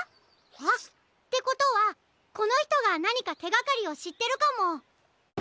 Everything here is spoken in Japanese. あっ！ってことはこのひとがなにかてがかりをしってるかも！